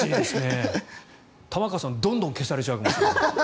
玉川さん、どんどん消されちゃうかもしれない。